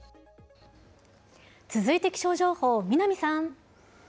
続いて気象情報、南さん。